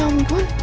bapak ngebut ya